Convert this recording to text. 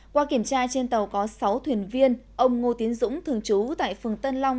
qua kiểm tra trên tàu có sáu thuyền viên ông ngô tiến dũng thường trú tại phường tân long